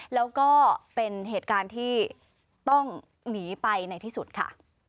แล้วก็เป็นเหตุการณ์ที่ต้องหนีไปในที่สุดค่ะ